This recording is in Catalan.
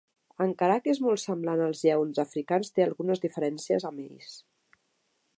Encara que és molt semblant als lleons africans té algunes diferències amb ells.